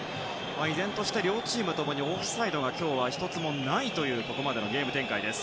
依然として両チーム共にオフサイドが今日は１つもないというここまでのゲーム展開です。